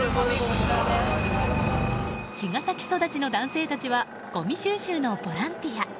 茅ヶ崎育ちの男性たちはごみ収集のボランティア。